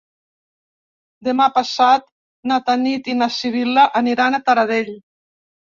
Demà passat na Tanit i na Sibil·la aniran a Taradell.